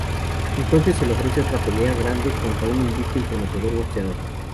Entonces se le ofrece otra pelea grande contra un invicto y prometedor boxeador.